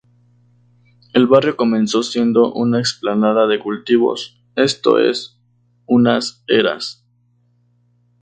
El barrio comenzó siendo una explanada de cultivos, esto es, unas eras.